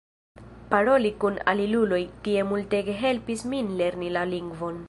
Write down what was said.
Paroli kun aliuloj tie multege helpis min lerni la lingvon.